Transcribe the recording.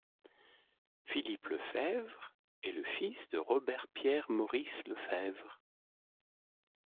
Philippe Lefebvre est le fils de Robert-Pierre-Maurice Lefebvre.